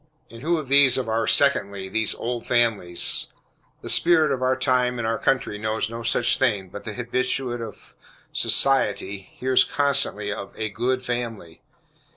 And who are these of our secondly, these "old families?" The spirit of our time and of our country knows no such thing, but the habitue of "society" hears constantly of "a good family."